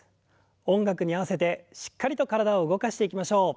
音楽に合わせてしっかりと体を動かしていきましょう。